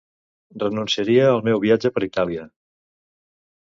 Renunciaria al meu viatge per Itàlia...